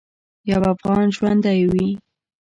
یو افغان ژوندی وي.